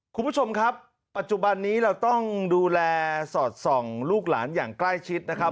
คุณผู้ชมครับปัจจุบันนี้เราต้องดูแลสอดส่องลูกหลานอย่างใกล้ชิดนะครับ